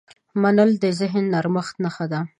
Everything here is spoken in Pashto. منل د ذهن د نرمښت نښه ده.